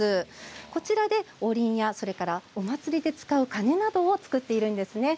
こちらで、おりんやそれからお祭りで使う鐘などを作っているんですね。